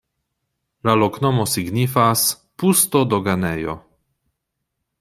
La loknomo signifas: pusto-doganejo.